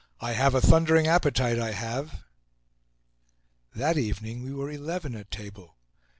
I have a thundering appetite, I have." That evening we were eleven at table.